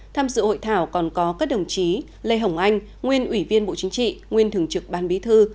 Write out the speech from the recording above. tham dự hội thảo còn có các đồng chí lê hồng anh nguyên ủy viên bộ chính trị nguyên thường trực ban bí thư